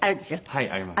はいあります。